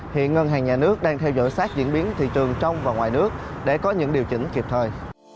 hiện ngân hàng nhà nước đang theo dõi sát diễn biến thị trường trong và ngoài nước để có những điều chỉnh kịp thời